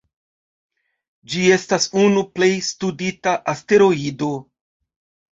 Ĝi estas unu plej studita asteroido.